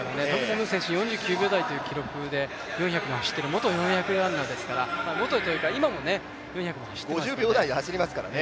ムー選手は４９秒台という記録で走っている、元４００ｍの選手ですから元というか、今も４００を走っていますから。